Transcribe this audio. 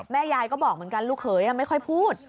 แม่ยายก็บอกเหมือนกันลูกเขยไม่ค่อยพูด